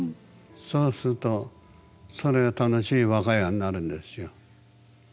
そうするとそれが楽しい我が家になるんですよ。